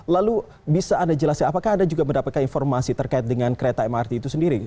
lalu bisa anda jelaskan apakah anda juga mendapatkan informasi terkait dengan kereta mrt itu sendiri